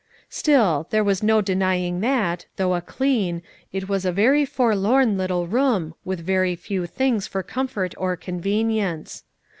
Still, there was no denying that, though a clean, it was a very forlorn little room, with very few things for comfort or convenience.